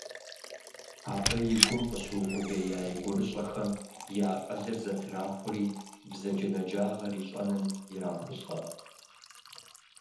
Абы и гум къыщыукъубея и гурыщӏэхэм и акъылыр зэтрахури, бзаджэнаджагъэр ищӏэным ирахулӏэ.